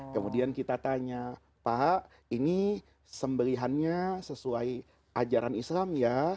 kemudian kita tanya pak ini sembelihannya sesuai ajaran islam ya